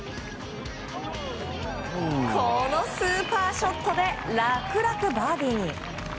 このスーパーショットで楽々バーディーに。